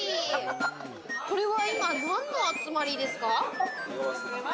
これは今何の集まりですか？